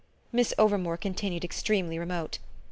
Miss Overmore continued extremely remote.